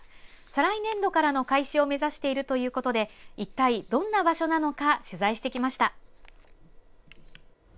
再来年度からの開始を目指しているということで一体どんな場所なのか取材してきました。